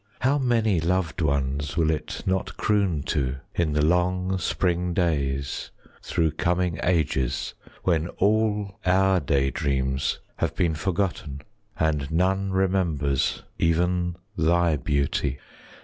20 How many loved ones Will it not croon to, In the long spring days Through coming ages, When all our day dreams 25 Have been forgotten, And none remembers Even thy beauty!